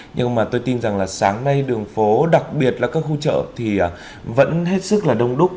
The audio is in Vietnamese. nhưng mà tôi tin rằng là sáng nay đường phố đặc biệt là các khu chợ thì vẫn hết sức là đông đúc